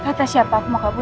kata siapa aku mau kabur